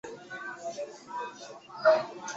他花了一年的时间游说星巴克的老板聘用他。